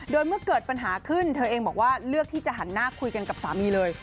โดยเมื่อเกิดปัญหาขึ้นเธอเองบอกว่าเลือกที่จะหันหน้าคุยกันกับสามีเลย